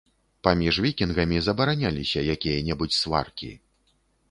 Паміж вікінгамі забараняліся якія-небудзь сваркі.